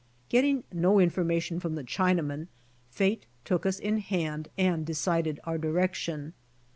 Getting no information from the Chinamen, fate took us in hand and decided our direction.